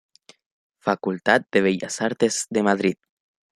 Facultad de Bellas Artes de Madrid.